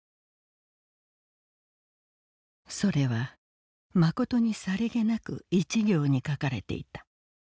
「それはまことにさりげなく一行に書かれていた。